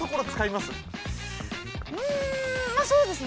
まあ、そうですね。